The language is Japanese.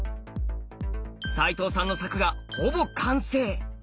齋藤さんの柵がほぼ完成。